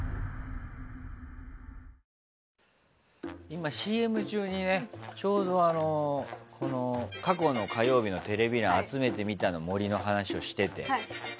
今、ＣＭ中にちょうど過去の火曜日のテレビ欄を集めてみたの森の話をしてて。